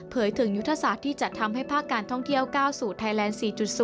ถึงยุทธศาสตร์ที่จะทำให้ภาคการท่องเที่ยวก้าวสู่ไทยแลนด์๔๐